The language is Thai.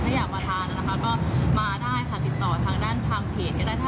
ถ้าอยากมาทานนะคะก็มาได้ค่ะติดต่อทางด้านทางเพจก็ได้